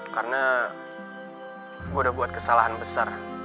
karena gue udah buat kesalahan besar